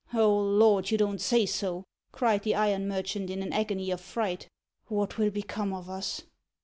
"O Lord, you don't say so!" cried the iron merchant in an agony of fright. "What will become of us?"